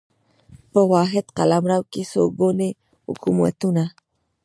په واحد قلمرو کې څو ګوني حکومتونه